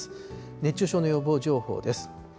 熱中症の予防情報です。